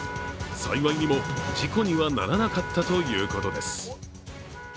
幸いにも事故にはならなかったということです。